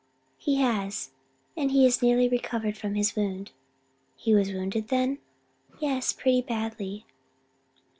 "He has, and is nearly recovered from his wound." "He was wounded, then?" "Yes, pretty badly."